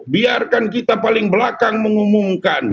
biarkan kita paling belakang mengumumkan